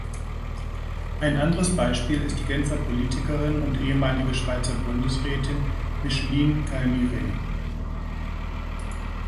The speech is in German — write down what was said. Ein anderes Beispiel ist die Genfer Politikerin und ehemalige Schweizer Bundesrätin Micheline Calmy-Rey.